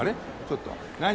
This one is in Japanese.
ちょっと何？